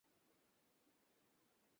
ফল মটর আকৃতির, গোলাকার, দ্বিবীজ।